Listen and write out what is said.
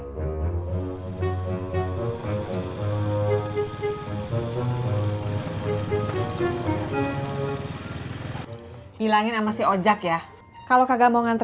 kita bisa informasi sama kantor